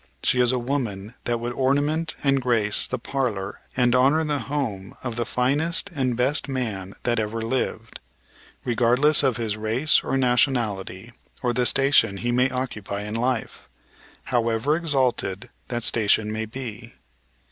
She is a woman that would ornament and grace the parlor and honor the home of the finest and best man that ever lived, regardless of his race or nationality or the station he may occupy in life, however exalted that station may be.